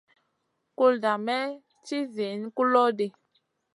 Kulda may ci ziyn kulo ɗi.